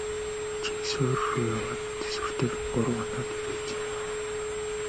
Чи суурь руу яваад тэсвэртэйхэн гурав хоноод ирээч.